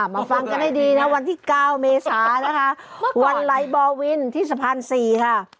มาฟังกันให้ดีนะวันที่๙เมษานะคะวันไหลบอวินที่สะพาน๔ค่ะ